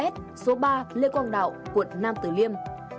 hai hai nghìn chín trăm linh ba s số ba lê quang đạo quận nam tử liêm